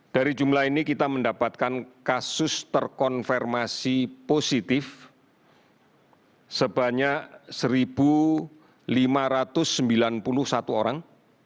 dari jumlah ini kita mendapatkan kasus terkonfirmasi positif sebanyak satu lima ratus sembilan puluh satu orang